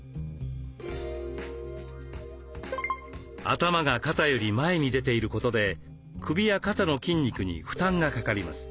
頭が肩より前に出ていることで首や肩の筋肉に負担がかかります。